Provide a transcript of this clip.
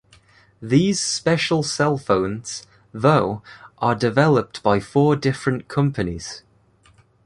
These special cellphones, though, are developed by four different companies.